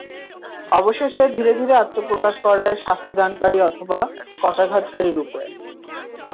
অবশেষে ধীরে ধীরে আত্মপ্রকাশ করে শাস্তিদানকারী অথবা কশাঘাতকারী রূপে।